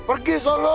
pergi suara lu